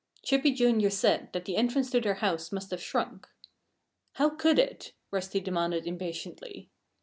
Chippy, Jr., said that the entrance to their house must have shrunk. "How could it?" Rusty demanded impatiently.